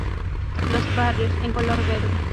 Los Barrios, en color verde.